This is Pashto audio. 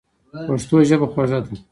پښتو ژبه خوږه ده.